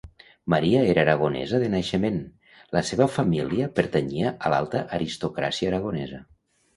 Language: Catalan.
Maria era aragonesa de naixement; la seva família pertanyia a l'alta aristocràcia aragonesa.